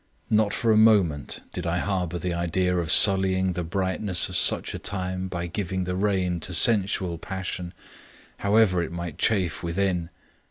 Not for a moment did I harbor the idea of sullying the brightness of such a time by giving the rein to sensual passion, however it might chafe within.